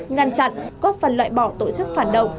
ngăn chặn góp phần loại bỏ tổ chức phản động